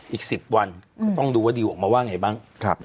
อีก๑๐วันก็ต้องดูว่าดิวออกมาว่าไงบ้าง